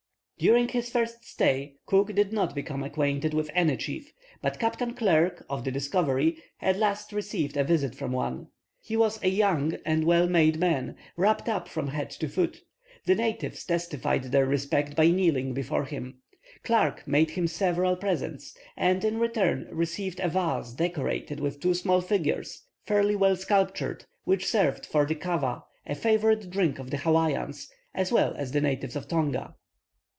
During his first stay Cook did not become acquainted with any chief, but Captain Clerke, of the Discovery, at last received a visit from one. He was a young and well made man, wrapped up from head to foot. The natives testified their respect by kneeling before him. Clerke made him several presents, and in return received a vase decorated with two small figures, fairly well sculptured, which served for the "kava," a favourite drink of the Hawaians, as well as the natives of Tonga.